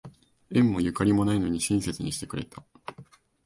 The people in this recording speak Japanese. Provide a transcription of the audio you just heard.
縁もゆかりもないのに親切にしてくれた